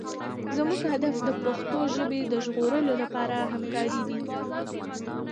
زموږ هدف د پښتو ژبې د ژغورلو لپاره همکارۍ دي.